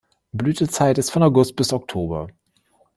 Blütezeit ist von August bis Oktober.